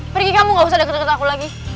pergi kamu gak usah deket deket aku lagi